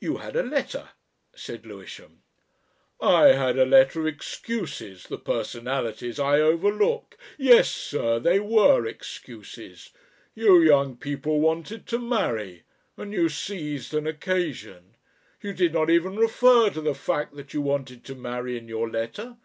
"You had a letter," said Lewisham. "I had a letter of excuses the personalities I overlook ... Yes, sir they were excuses. You young people wanted to marry and you seized an occasion. You did not even refer to the fact that you wanted to marry in your letter.